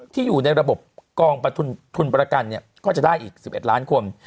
ที่อยู่ในระบบกองทุนประกันก็จะได้อีก๑๑ล้านคน